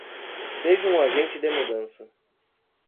Seja um agente de mudança